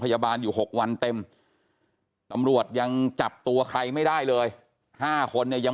พยาบาลอยู่๖วันเต็มตำรวจยังจับตัวใครไม่ได้เลย๕คนยัง